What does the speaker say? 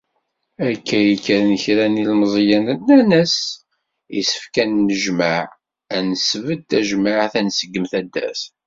Akka i kkren kra n n yilemẓiyen, nnan-as, issefk ad nennejmeɛ, ad d-nesbedd tajmeɛt, ad nseggem taddart.